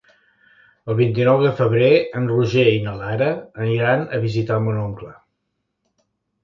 El vint-i-nou de febrer en Roger i na Lara aniran a visitar mon oncle.